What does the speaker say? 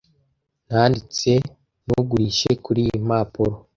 nanditse ntugurishe kuriyi mpapuro